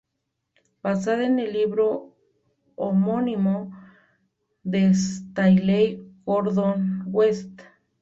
Basada en el libro homónimo de Stanley Gordon West.